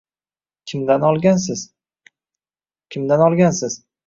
Kimdan olgansiz